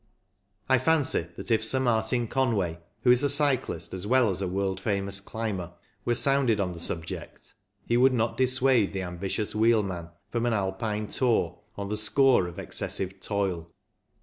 I fancy that if Sir Martin Conway, who is a cyclist as well as a world famous climber, were sounded on the subject, he would not dissuade the ambitious wheelman from an Alpine tour on the score of excessive toil.